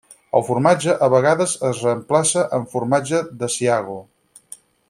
El formatge a vegades es reemplaça amb formatge d'Asiago.